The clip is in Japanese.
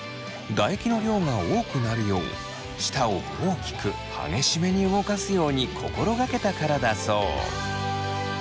唾液の量が多くなるよう舌を大きく激しめに動かすように心がけたからだそう。